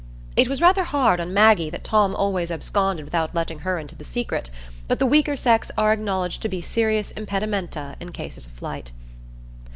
It was rather hard on Maggie that Tom always absconded without letting her into the secret, but the weaker sex are acknowledged to be serious impedimenta in cases of flight.